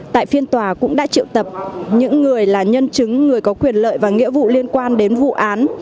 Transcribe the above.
tại phiên tòa cũng đã triệu tập những người là nhân chứng người có quyền lợi và nghĩa vụ liên quan đến vụ án